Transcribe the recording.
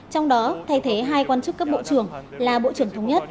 trong đó thay thế hai quan chức cấp bộ trưởng là bộ trưởng thống nhất